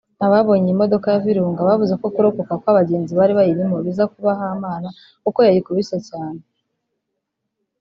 Ababonye iyi modoka ya Virunga bavuze ko kurokoka kw’abagenzi bari bayirimo biza kuba hamana kuko yayikubise cyane